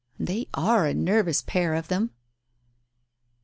They are a nervous pair of them